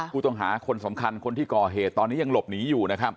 ผู้ต้องหาคนสำคัญคนที่ก่อเหตุตอนนี้ยังหลบหนีอยู่นะครับ